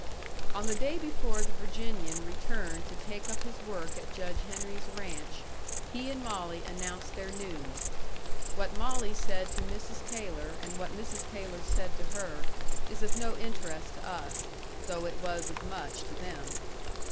On the day before the Virginian returned to take up his work at Judge Henry's ranch, he and Molly announced their news. What Molly said to Mrs. Taylor and what Mrs. Taylor said to her, is of no interest to us, though it was of much to them.